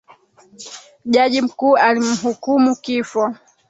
Jaji mkuu alimhukumu kifo